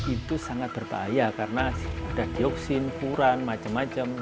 itu sangat berbahaya karena ada dioksin furan macam macam